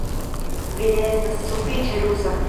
Vi ne estas sufiĉe rusa